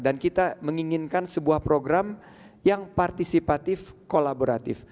dan kita menginginkan sebuah program yang partisipatif kolaboratif